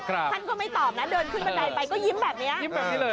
ท่านก็ไม่ตอบนะเดินขึ้นบันไดไปก็ยิ้มแบบนี้